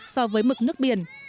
so với mực nước biển